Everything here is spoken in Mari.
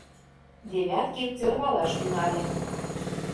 — Девяткин сӧрвалаш тӱҥале.